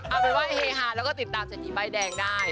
เอาเป็นว่าเฮฮาแล้วก็ติดตามเศรษฐีป้ายแดงได้